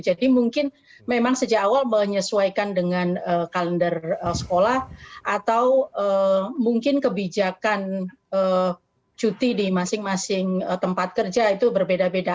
jadi mungkin memang sejak awal menyesuaikan dengan kalender sekolah atau mungkin kebijakan cuti di masing masing tempat kerja itu berbeda beda